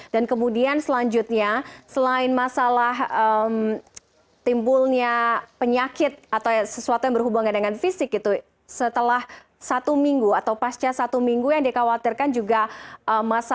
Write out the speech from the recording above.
dan kemudian selanjutnya selain masalah timbulnya penyakit atau sesuatu yang berhubungan dengan fisik itu setelah satu minggu atau pasca satu minggu yang dikhawatirkan juga masalah